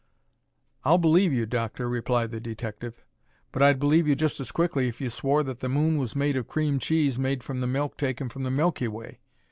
"I'll believe you, Doctor," replied the detective; "but I'd believe you just as quickly if you swore that the moon was made of cream cheese made from the milk taken from the milky way.